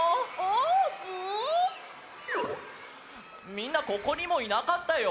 みんなここにもいなかったよ。